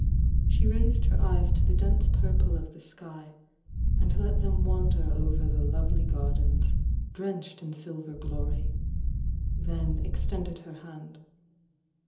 She raised her eyes to the dense purple of the sky, and let them wander over the lovely gardens, drenched in silver glory — then extended her hand.